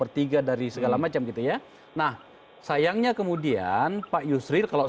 itu adalah kebijakan dari pemerintahan